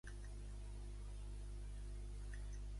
La façana és de pedra arrebossada actualment els pisos superiors.